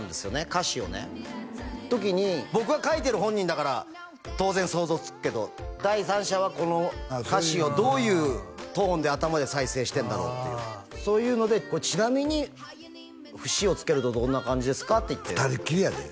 歌詞をね時に僕は書いてる本人だから当然想像つくけど第三者はこの歌詞をどういうトーンで頭で再生してんだろう？っていうそういうので「これちなみに」「節をつけるとどんな感じですか？」って言って２人っきりやで？